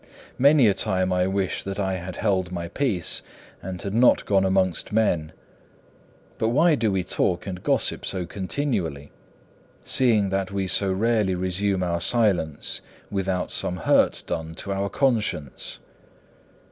Many a time I wish that I had held my peace, and had not gone amongst men. But why do we talk and gossip so continually, seeing that we so rarely resume our silence without some hurt done to our conscience?